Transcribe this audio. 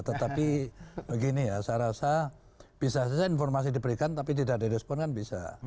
tetapi begini ya saya rasa bisa saja informasi diberikan tapi tidak ada respon kan bisa